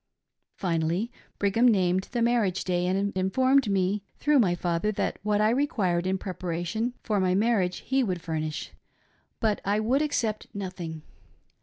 Finally, Brigham named the marriage day and informed me, through my father, that what I required in preparation for my marriage he would furnish ; but I would accept nothing.